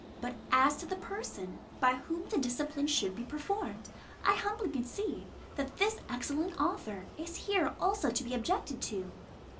But as to the person, by whom the discipline should be performed, I humbly conceive, that this excellent author is here also to be objected to.